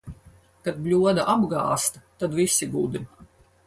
Kad bļoda apgāzta, tad visi gudri.